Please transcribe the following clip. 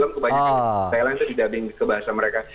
film kebanyakan thailand itu di dubbing ke bahasa mereka